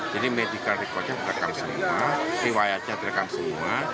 jadi medical record nya terekam semua riwayatnya terekam semua